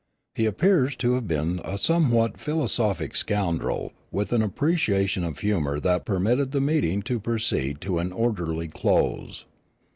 He appears to have been a somewhat philosophic scoundrel, with an appreciation of humor that permitted the meeting to proceed to an orderly close.